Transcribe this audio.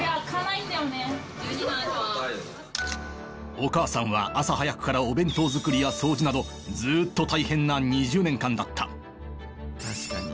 お母さんは朝早くからお弁当作りや掃除などずっと大変な２０年間だった確かに。